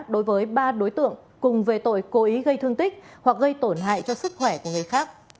đối với ba đối tượng cùng về tội cố ý gây thương tích hoặc gây tổn hại cho sức khỏe của người khác